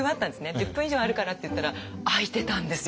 １０分以上あるからって言ったら開いてたんですよ